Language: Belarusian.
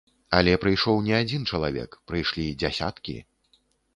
Але прыйшоў не адзін чалавек, прыйшлі дзясяткі.